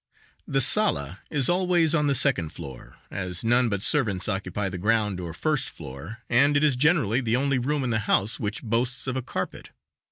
The sala is always on the second floor, as none but servants occupy the ground or first floor, and it is generally the only room in the house which boasts of a carpet.